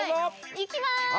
いきます！